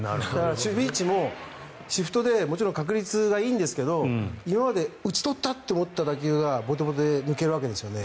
守備位置もシフトでもちろん確率がいいんですが今まで打ち取ったと思った打球がボテボテで抜けるわけですよね。